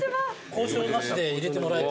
交渉なしで入れてもらえて。